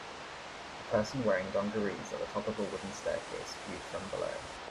A person wearing dungarees at the top of a wooden staircase viewed from below.